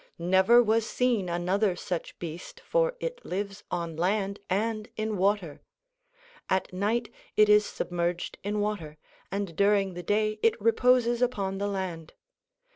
Never was seen another such a beast, for it lives on land and in water. At night it is submerged in water, and during the day it reposes upon the land.